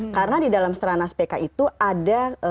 karena di dalam seterana spk itu ada